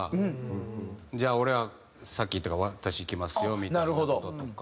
「じゃあ俺はさっきいったから私いきますよ」みたいな事とか。